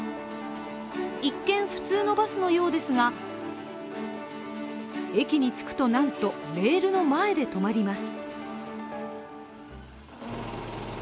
一見、普通のバスのようですが駅に着くとなんと、レールの前で止まります。